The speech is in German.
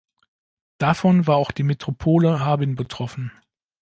Davon war auch die Metropole Harbin betroffen.